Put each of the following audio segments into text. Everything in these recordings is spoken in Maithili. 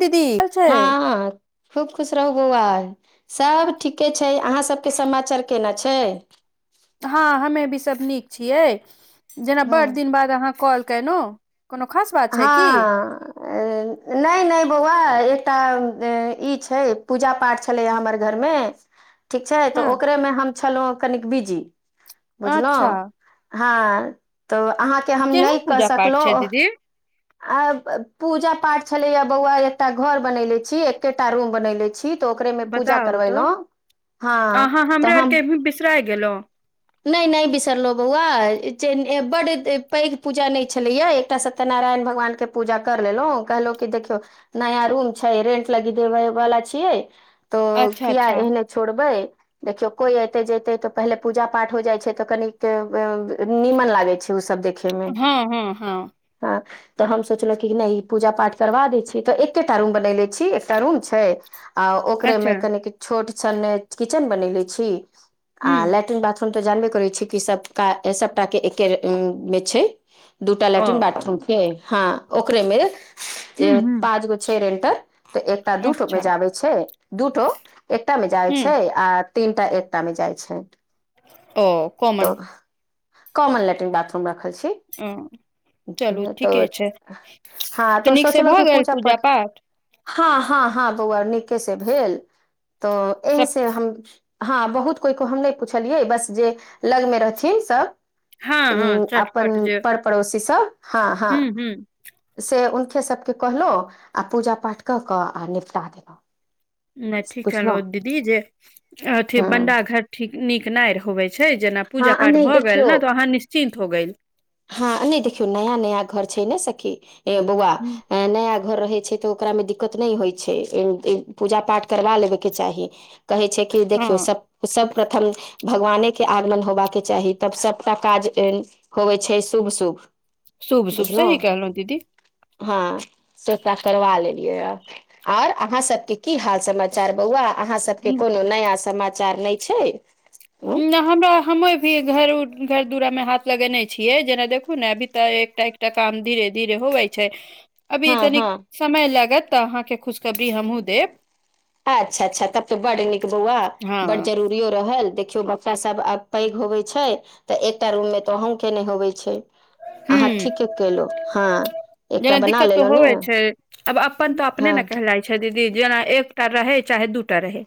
दीदी छै हँ खूब खुश रहू बौआ सब ठीके छै अहाँ सबके समाचार केना छै हँ हमे भी सभ नीक छियै जेना हँ बढ दिन बाद अहाँ कॉल केलहुँ कोनो खास बात छै की हँ नहि नहि बौआ एकटा ई छै पूजा पाठ छलैया हमर घरमे ठीक छै तऽ हँ ओकरेमे हम छलहुँ कनिक बिजी बुझलहुँ अच्छा हँ तऽ अहाँके हम नहि केहन कऽ पूजा पाठ छै सकलहुँ दीदी आ पूजा पाठ छलेया बौआ एकटा घर बनले छी एकेटा रूम बनेले छी तऽ ओकरे मे पूजा बताउ तऽ करबेलहु हँ तऽ हम कसरा गेलो [unintelligible] नहि नहि बिसरलहु बौआ बड पैघ पूजा नहि छलैया एकटा स तनारायण भगवान के पूजा कर लेलहु कहलहुं की देखियौ नया रूम छै रेंट लगी देबे वला छियै तो अच्छा किया अच्छा एहने छोड़बै देखियो कोई एते जेते तो पहले पूजा पाठ हो जाइ छै तऽ कनीक नीमन लागै छै ओ सब देखे मे हँ हँ हँ हँ तऽ हम सोचलहुँ कि नहि ई पूजा पाठ करबा दै छियै तऽ एकेटा रूम बनयले छी एकटा रूम छै आ ओकरे अच्छा में कनिक छोट छन किचेन बनेले छी आ हूँ लेट्रिन बाथरूम हम तऽ जानबे करै छी कि सबका सबटा के एके मे छै दूटा ओ लैट्रिन बाथरूम के हँ ओकरे मे हूँ हूँ पाँच गो छै रेंटर तऽ एकटा दूठो मे अच्छा जाबै छै दूठो एकटा मे जाई हूँ छै आ तीनटा एकटा मे जाई छै ओ तो कॉमन कॉमन लैट्रिन बाथरूम रखल छी ओ चलू ठीके तऽ छै हँ तऽ तऽ नीकसँ सोचलहुँ भऽ कि गेल पूजा पाठ हँ हँ हँ बौआ नीके से भेल तऽ ए सब से हम हँ बहुत कोइ क हम नहि पुछलियै बस जे लगमे रहथिन सब हँ हँ चटपट अपन जे पर पड़ोसी सब हँ हँ हूँ हूँ से हुनके सभके कहलहुँ आ पूजा पाठ कऽ कऽ आ निपटा देलहुँ नहि ठीक कहलो बुझलहुँ दीदी जे अथी हँ बंडा घर ठीक नीक नहि होबै छै जेना हँ पूजा आ पाठ नहि भऽ देखियौ गेल ने तऽ अहाँ निश्चिन्त हो गेल हँ नहि देखियौ नया नया घर छै ने सखी ए बौआ नया घर रहै छै तऽ ओकरामे दिक्कत नहि होइ छै पूजा पाठ करबा लेबैके चाही कहै छै कि हँ देखियौ सब सबकथन भगवानेके आगमन होबाके चाही तब सभटा काज होवै छै शुभ शुभ शुभ शुभ सही बुझलहुँ कहलौ दीदी हँ स्ता [unintelligible] करबा लेलियै यऽ और अहाँ सबके की हाल समाचार बौआ अहाँ सबके कोनो नया समाचार नहि छै हँ नअ हमरा हम भी घर घर दुरा मे हाथ लगेने छियै जेना देखु ने अभी तऽ एकटा टा काम धीरे धीरे होबै छै [inaudible] अभी तनीक हँ समय लागत तऽ अहाँके खुशखबरी हमहुँ देब अच्छा अच्छा तब त बड़ नीक बौआ बड़ हँ जरूरीयो रहै देखियौ बच्चा सब आब पैघ होबै छै तऽ एकटा रूममे तऽ अहूँके नहि होबै छै अहाँ हुं ठीके केलहु हँ एकटा जेना बना दिक्कत तऽ लेलहु होवे ने छै अब अपन तऽ अपने हँ ने कहलाइ छै अच्छा दीदी जेना एकटा रहै चाहे दूटा रहै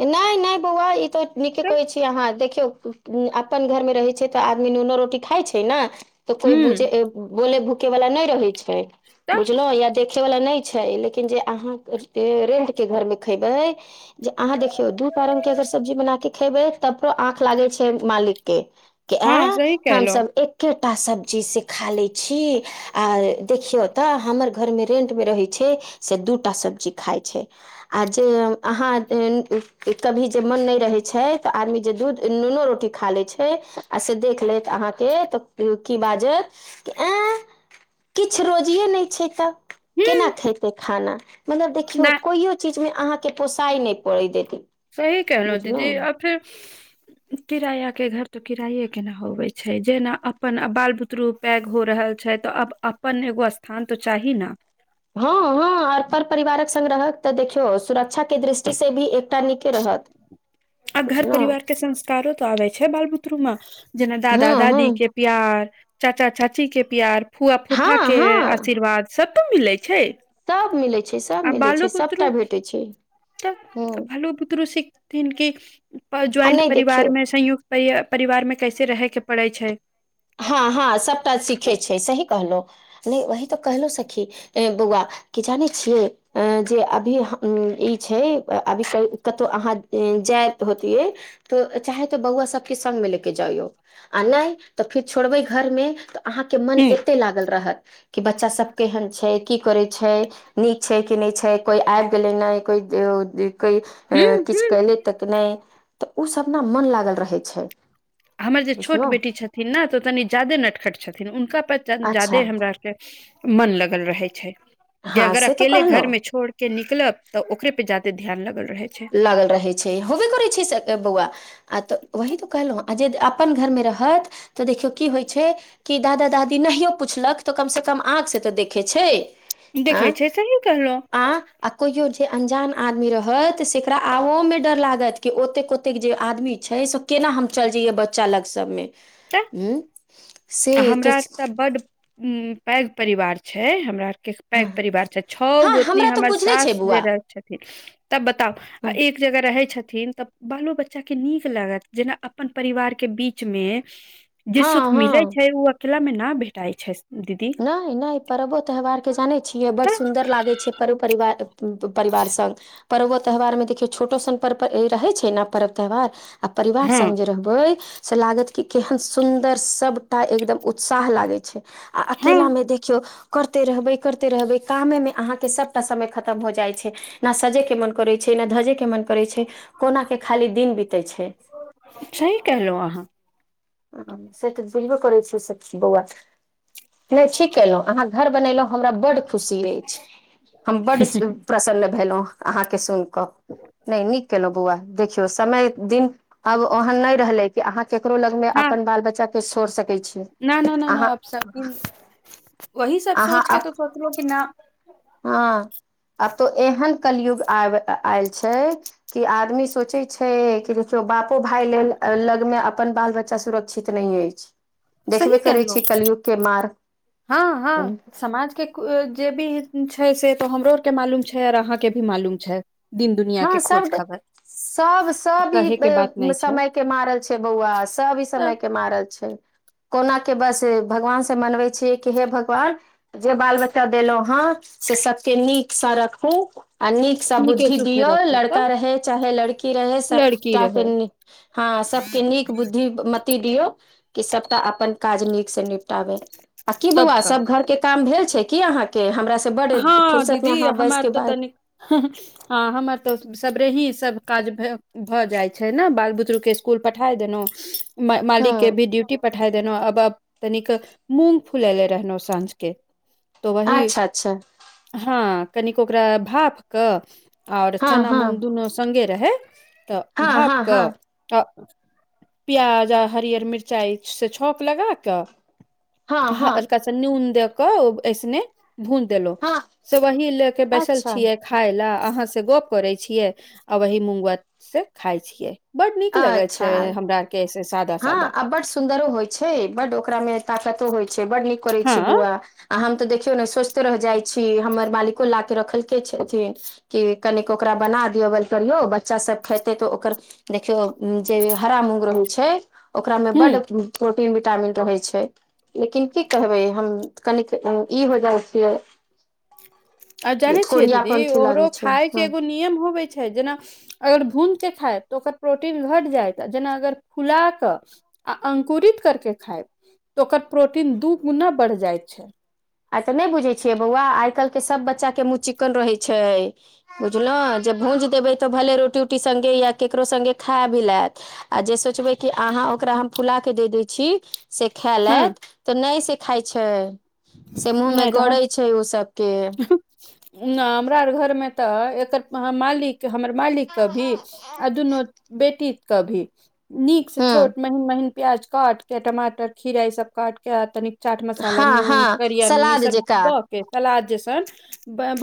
नहि नहि बौआ ई तऽ नीके कहै छी अहाँ देखियौ अपन घर मे रहै छै तऽ आदमी नूनो रोटी खाइ छै ने तऽ कोई ह बुझे बोले भूके वाला नहि रहे छै तऽ बुझलों या देखे वाला नहि छै छै लेकिन जे अहाँ रेंट के घर मे खैबै अहाँ देखियौ दू तरंग के अगर सब्जी बना के खेबै तकरो आँख लागे छै मालिक के के हँ आँय सही कहलहु हमसभ एकेटा सब्जीसँ खा लैत छी आ देखियौ तऽ हमर घरमे रेंटमे रहै छै से दू टा सब्जी खाई छै आजे अहाँ कभी जे मन नहि रहै छै तऽ आदमी जे दूध नूनोू रोटी खा लै छै आ से देख लेत अहाँके तऽ की बाजत कि ऐं किछु रोजिए नहि छै तऽ ह केना खेतै खाना मगर देखियौ नहि कोइयो चीजमे अहाँके पोसाइ नहि परि देैतै सही कहलहु दीदी आ फेर किराया के घर तो किराये के ने होबै छै जेना अपन बाल बुतरु पैघ हो रहल छै तऽ अब अपन एगो स्थान तो चाही ने हँ हँ आओर पर परिवारक संगरहत तऽ देखियौ सुरक्षा के दृष्टि से भी एकटा नीके रहत आ घर बुझलहुँ परिवार के संस्कारो तऽ आबे छै बाल बुतरु मे जेना दादा हँ दादी हँ के प्यार चाचा चाची के प्यार फुआ फूफा हँ के आशीर्वाद स्तू मिलैत छै सभ मिलै छै सब आ मिलै बालो छै बुतरु सभटा भेटै छै तऽ हँ बालो बुतरू सिखथिन क आ ज्वइंट नहि परिवार देखियौ मे संयुक्त परि परिवारमे कैसे रहैके पड़ै छै हँ हँ सभटा सीखै छै सही कहलहु नहि वही तऽ कहलहुँ सखी बौआ की जानै छियै अ जे अभी ई छै अभी कतहु अहाँ जाय होतियै तऽ चाहे तो बौआ सबके संगमे लेके जाइयौ आ नहि तऽ फेर छोड़बै घर मे तऽ अहाँके मन ह एते लागल रहत कि बच्चा सब केहन छै की करै छै नीक छै कि नहि छै कोइ आबि गेलै नहि कोइ कोइ ह ऐं किछ ह कयले तक नहि तऽ ओ सभना मन लागल रहै छै हमर जे छोट बुझलहुँ बेटी छथिन ने तो तनी ज्यादे नटखट छथिन हुनका पर ज्यादे अच्छा हमरा मन लगल रहे छै जे हँ अगर से तऽ अकेले घर कहलहुँ मे छोड़ के निकलब तऽ ओकरे पे जाादे ध्यान लगल रहे छै लागल रहैत छै होबे करैत छै से बौआ आ तऽ वही तऽ कहलहुँ आ जे अपन घरमे रहत तऽ देखियौ की होइत छै कि दादा दादी नहि पुछलक तऽ कमसँ कम आँखसँ तऽ देखैत छै आँ देखै छै सही कहलू आ आ कहियो जे अंजान आदमी रहत तऽ सेकरा आबओमे डर लागत कि ओतेक ओतेक जे आदमी छै से केना हम चलि जाइया बच्चा लग सभमे तऽ हू से तऽ हूं पैघ परिवार छै हमरा आर के पैघ हँ परिवार छै छओ गोतनी हमरा तऽ हमर बुझले छै सास जे बौआ रह छथिन तब बताउ आ एक जे अगह रहै छथिन तऽ बालो बच्चा के नीक लागत जेना अपन परिवार के बीच मे जे हँ सुख मिलै हँ छै ओ अकेला मे न भेटाई छै दीदी नय नय पर्वो त्यौहारके जानै छियै बड़ तऽ सुन्दर लागै छै पर्व परिवार परिवार सङ्ग पर्वो त्यौहारमे देखियौ छोटो सन पर पर्व रहै छै ने पर्व त्यौहार आ परिवार सङ्ग हँ जे रहबै से लागत कि केहन सुन्दर सभटा एकदम उत्साह लागै छै आ अकेला हँ मे देखियौ करते रहबै करते रहबै कामे मे अहाँके सब टा समय खतम हो जाइ छै न सजे के मन करै छै ने धजे के मन करै छै कोना के खाली दिन बीतै छै सही केहलौ अहाँ से तऽ बुझबे करै छी सखि बौआ नय ठिक केलौ अहाँ घर बनेलहु हमरा बड् खुशी अछि हम बड् प्रसन्न भेलहु अहाँ के सुइन क नय नीक केलौ बौआ देखि समय दिन आब ओहन नहि रहले कि अहाँ केकरो लग मे अपन बाल बच्चा के छोड़ सकै छी नै न न अहाँ अब सब दिन वही सब सोचके तऽ सोचलो कि ना हाँ आब तो एहन कलयुग आब आयल छै की आदमी सोचे छै कि देखियौ बापो भाय लेल लगमे अपन बाल बच्चा सुरक्षित नहि अछि देखबे सही करै कहलहुँ छी कलयुग के मार्ग समाजके जे भी छै से तो हमरो आर के मालूम छै आओर अहाँके भी मालूम छै यहां हँ के सब खोज ड- खबर सब सब कहै के बात ई नहि छै समय के मारल छै बौआ सब ई अ, समय के मारल छै कोना के बस भगवान से मनबै छियै की हे भगवान जे बाल बच्चा देलहुं हें से सबके नीक से रखू आ नीक नीक सु लड़का रहै चाहे लड़की रहै लड़की सबटा रहै के् हँ सबके नीक बुद्धि मति दियौ कि सबटा अपन काज नीक से निपटाबे आ की तब बौआ का सभ घरके काम भेल छै की अहाँके हमरा सभ हाँ दीदी हमरा तऽ तनिक हाँ हमरा तऽ सब्रे ही सभ काज भ भऽ जाइ छै ने बाल बुतरूके इसकुल पठाय देलौ मालिक के हँ भी ड्यूटी प ठाय देलहुँ आब आब तनिक मूँग फुलेले रहलहुँ साँझके अच्छा अच्छा हँ कनिक ओकरा भाप क और हँ चना हँ मूंग दुनू संगे रहै तऽ हँ भाप हँ हँ क प्याज आ हरियर मिर् चाय से छौक लगा क हँ हँ हलका सा नून दे क ऐसने भूंज देलोह हँ से वही ले के बैसल अच्छा छियै खाय लए अहाँ से गप करै छियै आ वही मूंगबत से खाय छियै बड नीक लगे छै अच्छा हमरा आर के ऐसे सादा हँ सादा आ बड सुन्दरो होइ छै बड ओकरा मे ताकतो होइ छै बड नीक करै छै हँ बुआ आ हम तऽ देखियौ ने सोस्थे रह जाइ छी हमर मालिको ला के रखलके छथिन के कनिक ओकरा बना दियौ बेल करियौ बच्चास सभ खेतै तऽ ओकर देखियौ जे हरा मूँंग रहै छै ओकरा मे बड ह प्रो टिन विटामिन रहै छै लेकिन की कहबै हम कनिक ई हो जाइ छियै आ जाने छियै दीदी कोढ़ियापन्थी ओरो लागै छै खाय के हँ एगो नियम होबे छै जेना अगर भून के खाय तऽ ओकर प्रोटीन घट जायत जेना अगर फुला कऽ आ अंकुरित करके खायब तऽ ओकर प्रोटीन दू गुना बढ़ जाइत छै अच्छा। नहि बुझै छियै बौआ आइ कल्हिके सभ बच्चाके मुँह चिक्कन रहै छै बुझलहुँ जे भुजि देबै तऽ भले रोटी-उटी सङ्गे या ककरो सङ्गे खा भी लायत। आ जे सोचबै कि अहाँ ओकरा हम फुला कऽ दऽ दै छी। से खेले ह तऽ नहि से खाइत छै। से मुँहमे नहि तऽ गड़ै छै ओ सभके। नहि, हमरा आर घरमे तऽ एकर मालिक हमर मालिक। कऽ भी आ दुनू बेटीकऽ भी नीकसँ हूँ छोटमे। महीन प्याज काटि कऽ, टमाटर, खीरा ई सभ काटि कऽ, तनिक चाट मसाला आ हँ नून। हँ जरूरी सलाद सभ जेका क केकरा जेकाँ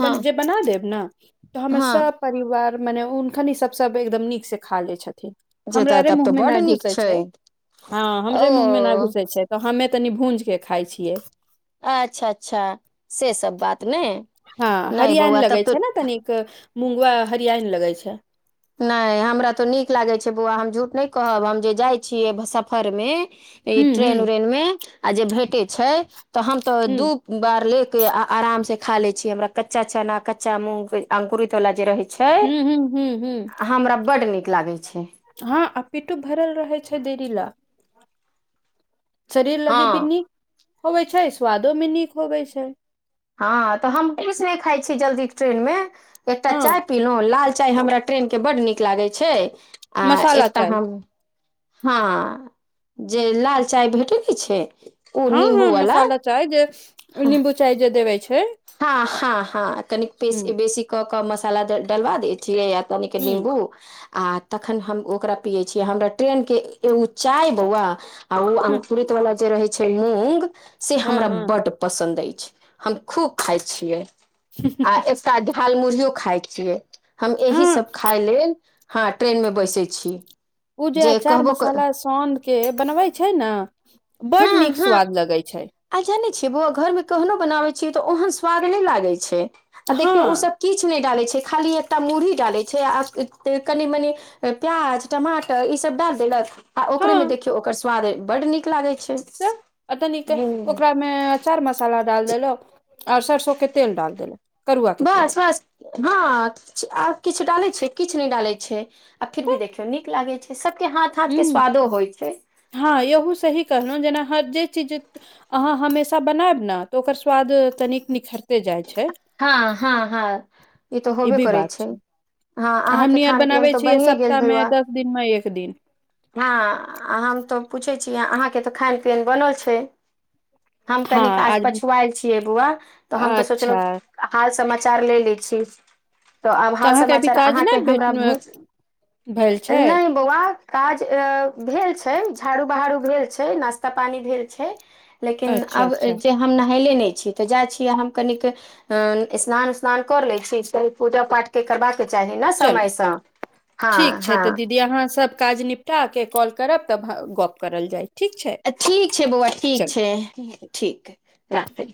हँ जे बनत से बना देब ने हमर हँ सभ। परिवारमे हुनका नहि, सभसँ बेसी एकदम नीकसँ खा लै छथिन। जे तऽ हमरे तब तऽ मुँहमे बड्ड नहि नीक घुसे छै। हँ, हमरे मुँहमें नहि ओ घुसे छै तऽ हमे तनी भुज खाई छियै अच्छा अच्छा, से सभ बात नै नय बौआ तब तऽ मुंगवा हरियान लगै छै। नहि हमरा तऽ नीक लागै छै बौआ, हम झूठ नहि कहब हम जे जाइ छियै सफरमे। ई हुँ, ट्रेन हुँ, बरेनमें आ जे भेटे छै तऽ हम तो दू हुँ, बार लेके आ आरामसे खा ले छी हमरा कच्चा चना कच्चा मूंग अकुरित वाला जे रहे छै। हू हू, हूँ हमरा बड्ड नीक लागैत छै। हँ, आ पीठो भरल रहे छै देरी लए। शरीर हँ लगी भऽ नीक होबे छै, स्वादो भी नीक होबे छै हँ, तऽ हम कुछ नहि खाय छी जल्दी ट्रेनमे एकटा हँ चाय पिलौ लाल चाय हमरा ट्रेके बढ नीक लागै छै आ मसाला एकटा चाय हम हँ, जे लाल चाय भेटय नय छै। ओ हँ, नींबू हँ, वाला मसाला चाय जे नीबू चाय जे देवे छै। हँ, हँ कन हुँ, बेसी कऽ मसाला डलबा दैत छियै। तनिके हुँ, निम्बू आ तखन हम ओकरा पियै छियै। हमरा ट्रेनके एगो चाय बौआ। आ ओ हुँ, अंकुरित वाला जे रहे छै मूंग से हँ, हमरा हँ, बड्ड पसन्द अछि। हम खूब खाइ छियै। हू हू आ एकटा झरमुर्हि खाय छियै हम एहि हँ सभ खाय लेल हँ, ट्रेनमे बैसै छी। उ जे अचार मसाला सौंदके बनबै छै ने बड हँ निक हँ स्वाद लगे छै आ जानै छियै बौआ घरमे कहनो बनाबै छियै तऽ ओहन स्वाद नै लागै छै आ देखियौ ओ हँ, सभ किछ नहि डालै छै खाली एकटा मुर्हि डालै छै आ कनि मनि प्याज टमाटर ईसभ डाल देलक आ ओकरेमे हँ देखियौ ओकर स्वाद बड्ड निक लागैत छै। तनिक हूँ ओकरा। मे चार मसाला डाल देलो आऔर सरसो के तेल डाल देलौ करुआ के तेल बस बस। हँ, आ किछु डाले छै किछु नहि डालैत छै आखिर भी देखियौ नीक लागै छै सभके हाथ हाथ हू के स्वादो होइ छै हँ, याहू सही कहलहुँ जेना हर जे चीज अहाँ हमेशा बनायबने तऽ ओकर स्वाद तनिक निखरते जाइ छै हँ हँ हँ। ई तऽ होबे करे छै, ह अहाँके खान पियन तऽ बने गेल बौआ। दिनमे एक दिन हँ, हम तऽ पूछैत छी अहाँकेँ तऽ खान पियन बनल छै हम कनि आज पछुआएल छियै बौआ। तऽ हम तऽ अच्छा सोचलहुँ हाल समाचार ले लै छी तऽ आब हाल अहाँके अभी समाचार काज अहाँके नहि भेट हमरा भुज भेल छै नहि बौआ काज अ भेल छै झाड़ू बहारू भेल छै नाश्ता पानी भेल छै लेकिन अच्छा अब अच्छा जे हम नहयले नय छी तऽ जाय छीय हम कनिक अ स्नान उस्नान कर ले छी क पूजा पाठ के करबाद के चाही ने समयसँ हँ हँ यहाँ सब काज निप टा के कॉल करब तब गप करल जाय ठीक छै अ ठीक छै बौआ ठीक चलू छै ठीक राखै